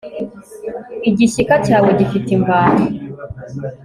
igishyika cyawe gifite imvano